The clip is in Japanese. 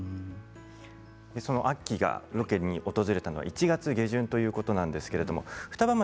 アッキーがロケに訪れたのは、１月下旬ということなんですけど双葉町